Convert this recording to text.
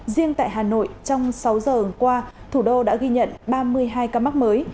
riêng tại hà nội trong sáu giờ qua thủ đô đã ghi nhận ba mươi hai ca mắc mới